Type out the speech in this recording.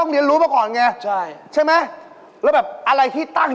นี่แหละจริง